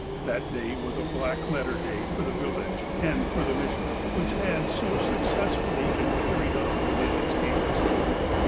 That day was a black letter day for the village and for the mission which had so successfully been carried on within its gates.